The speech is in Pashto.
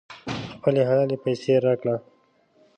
خپلې حلالې پیسې راکړه.